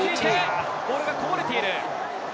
ボールがこぼれている！